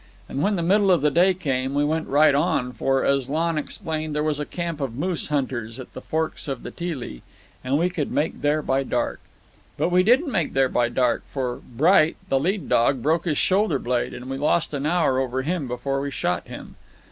And when the middle of the day came, we went right on, for, as Lon explained, there was a camp of moose hunters at the forks of the Teelee, and we could make there by dark. But we didn't make there by dark, for Bright, the lead dog, broke his shoulder blade, and we lost an hour over him before we shot him.